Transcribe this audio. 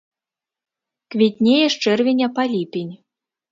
Квітнее з чэрвеня па ліпень.